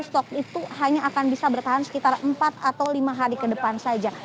stok itu hanya akan bisa bertahan sekitar empat atau lima hari ke depan saja